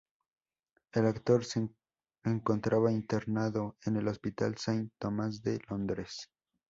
El actor se encontraba internado en el Hospital Saint Thomas de Londres.